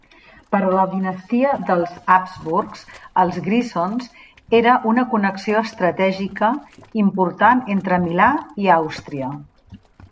Per a la dinastia dels Habsburg, els Grisons era una connexió estratègica important entre Milà i Àustria.